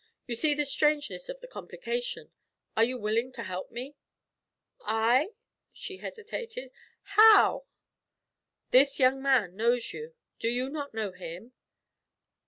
You see the strangeness of the complication. Are you willing to help me?' 'I?' she hesitated. 'How?' 'This young man knows you. Do you not know him?'